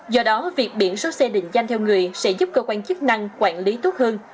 do đó việc biển số xe định danh theo người sẽ giúp cơ quan chức năng quản lý tốt hơn